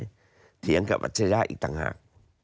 เรียบร้อยเถียงกับอัจฉริยะอีกต่างหาก